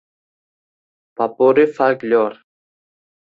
Popuri folklor